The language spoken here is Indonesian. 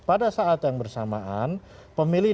pada saat yang bersamaan pemilih